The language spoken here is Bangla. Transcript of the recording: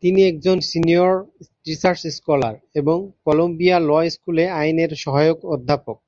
তিনি একজন সিনিয়র রিসার্চ স্কলার এবং কলম্বিয়া ল স্কুলে আইনের সহায়ক অধ্যাপক।